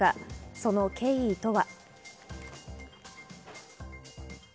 その経緯とは。